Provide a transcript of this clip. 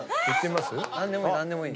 何でもいい何でもいい。